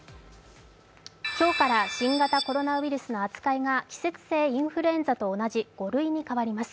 今日から新型コロナウイルスの扱いが季節性のインフルエンザと同じ５類に変わります。